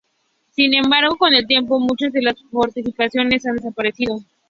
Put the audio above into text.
Sin embargo, con el tiempo muchas de las fortificaciones han desaparecido.